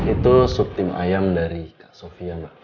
itu sup tim ayam dari kak sofia mbak